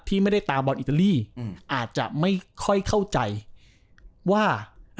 ที่ไม่ได้ตามบอลอิตาลีอาจจะไม่ค่อยเข้าใจว่า